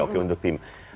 oke untuk tim